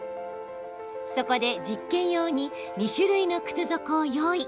そこで、実験用に２種類の靴底を用意。